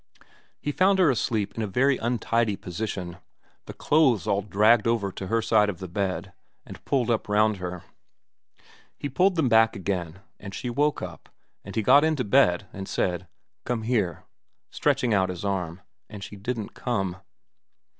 He found her asleep in a very untidy position, the clothes all dragged over to her side of the bed and 283 284 VERA XXVI pulled up round her. He pulled them back again, and she woke up, and he got into bed and said, ' Come here,' stretching out his arm, and she didn't come.